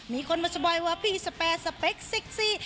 มีคนมาสบายว่าพี่สแปรสเปคเซ็กซี่